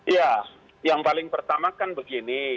ya yang paling pertama kan begini